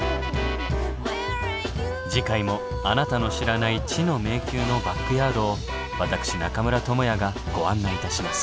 次回もあなたの知らない知の迷宮のバックヤードを私中村倫也がご案内いたします。